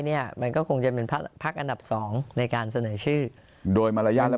เนี่ยมันก็คงจะเป็นพักอันดับสองในการเสนอชื่อโดยมารยาทและ